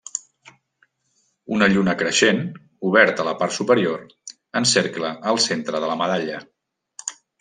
Una lluna creixent, obert a la part superior, encercla el centre de la medalla.